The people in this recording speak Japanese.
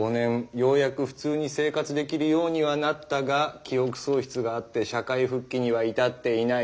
ようやく普通に生活できるようにはなったが記憶喪失があって社会復帰には至っていない。